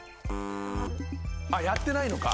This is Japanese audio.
やってないのか。